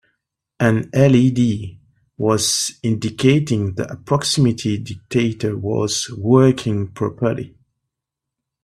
An LED was indicating the proximity detector was working properly.